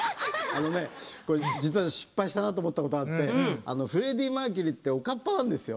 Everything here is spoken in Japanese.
あのねこれ実は失敗したなと思ったことあってあのフレディ・マーキュリーっておかっぱなんですよ。